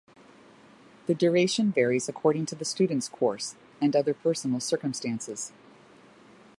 The duration varies according to the student's course, and other personal circumstances.